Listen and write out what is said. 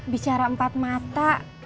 bicara empat mata